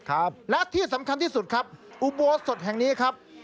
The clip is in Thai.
ครับและที่สำคัญที่สุดครับอุโบสถแห่งนี้ครับ